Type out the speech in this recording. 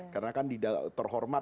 karena kan terhormat